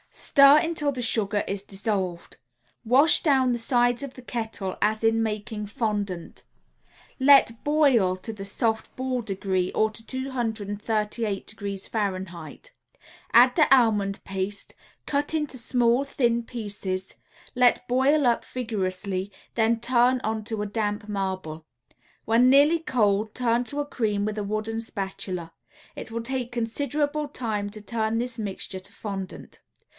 Stir until the sugar is dissolved. Wash down the sides of the kettle as in making fondant. Let boil to the soft ball degree or to 238° F. Add the almond paste, cut into small, thin pieces, let boil up vigorously, then turn onto a damp marble. When nearly cold turn to a cream with a wooden spatula. It will take considerable time to turn this mixture to fondant.